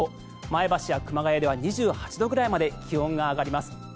前橋や熊谷では２８度ぐらいまで気温が上がります。